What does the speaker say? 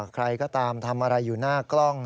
ใครก็ตามทำอะไรอยู่หน้ากล้อง